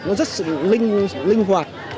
nó rất là linh hoạt